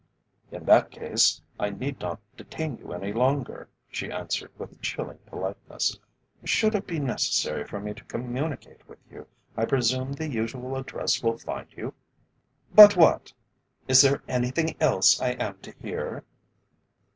"In that case I need not detain you any longer," she answered with chilling politeness. "Should it be necessary for me to communicate with you, I presume the usual address will find you?" "But " "But what? Is there anything else I am to hear?"